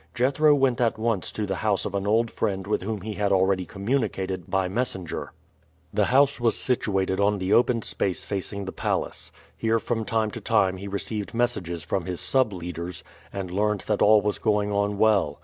Jethro went at once to the house of an old friend with whom he had already communicated by messenger. The house was situated on the open space facing the palace. Here from time to time he received messages from his sub leaders, and learned that all was going on well.